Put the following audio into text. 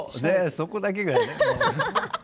そこだけがね。